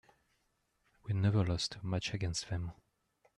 We never lost a match against them.